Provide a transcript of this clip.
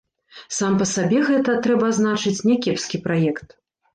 Сам па сабе гэта, трэба адзначыць, някепскі праект.